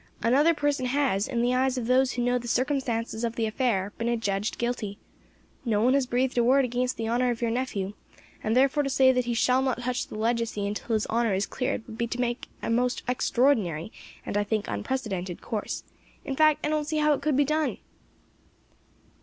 Another person has, in the eyes of those who know the circumstances of the affair, been adjudged guilty. No one has breathed a word against the honour of your nephew; and therefore to say that he shall not touch the legacy until his honour is cleared would be to take a most extraordinary, and, I think, unprecedented course. In fact I don't see how it could be done."